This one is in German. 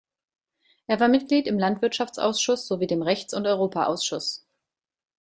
Er war Mitglied im Landwirtschaftsausschuss sowie dem Rechts- und Europaausschuss.